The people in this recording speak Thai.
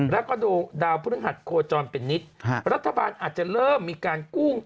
แล้วก็ดูดาวพฤหัสโคจรเป็นนิดรัฐบาลอาจจะเริ่มมีการกู้